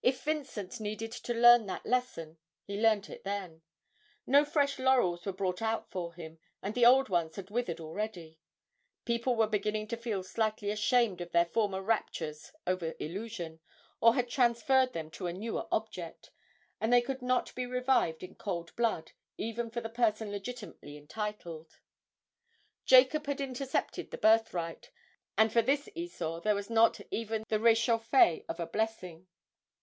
If Vincent needed to learn that lesson, he learnt it then; no fresh laurels were brought out for him and the old ones had withered already; people were beginning to feel slightly ashamed of their former raptures over 'Illusion,' or had transferred them to a newer object, and they could not be revived in cold blood, even for the person legitimately entitled. Jacob had intercepted the birthright, and for this Esau there was not even the réchauffé of a blessing.